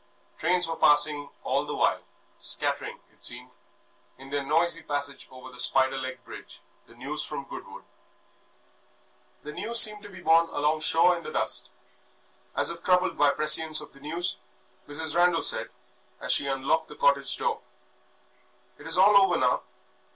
Trains were passing all the while, scattering, it seemed, in their noisy passage over the spider legged bridge, the news from Goodwood. The news seemed to be borne along shore in the dust, and, as if troubled by prescience of the news, Mrs. Randal said, as she unlocked the cottage door "It is all over now.